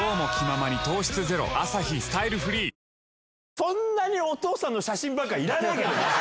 そんなにお父さんの写真ばっかいらねえけどな。